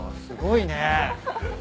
すごいね。